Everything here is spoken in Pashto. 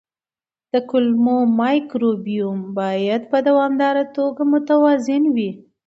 د کولمو مایکروبیوم باید په دوامداره توګه متوازن وي.